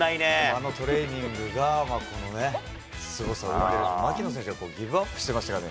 あのトレーニングがこのね、すごさ、槙野選手がギブアップしてますからね。